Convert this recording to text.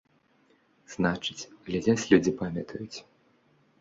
Значыць, глядзяць людзі, памятаюць.